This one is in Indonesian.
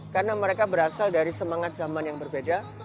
karena mereka berasal dari semangat zaman yang berbeda